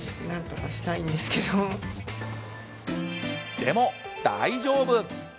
でも大丈夫！